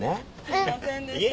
すいませんでした。